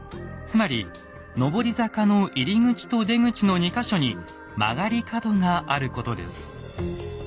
つまり上り坂の入り口と出口の２か所に曲がり角があることです。